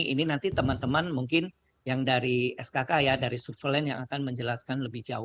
ini nanti teman teman mungkin yang dari skk ya dari superland yang akan menjelaskan